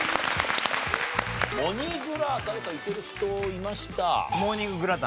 モニグラ誰かいける人いました？